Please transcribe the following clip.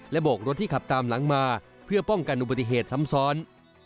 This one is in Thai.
โบกรถที่ขับตามหลังมาเพื่อป้องกันอุบัติเหตุซ้ำซ้อน